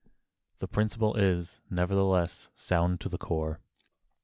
The principle is, nevertheless, sound to the core.